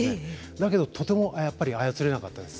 だけど、とてもやっぱり操れなかったです。